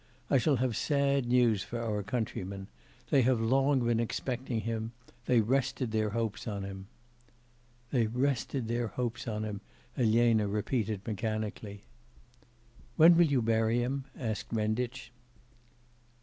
I shall have sad news for our countrymen. They have long been expecting him; they rested their hopes on him.' 'They rested their hopes on him,' Elena repeated mechanically. 'When will you bury him?' asked Renditch.